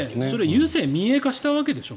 郵政民営化したわけでしょ。